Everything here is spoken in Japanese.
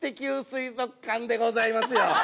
水族館」でございますよ。